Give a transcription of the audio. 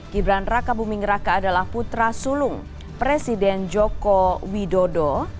gibran raka buming raka adalah putra sulung presiden joko widodo